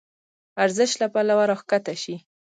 ارزش له پلوه راکښته شي.